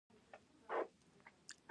زه مېوه خوړل خوښوم.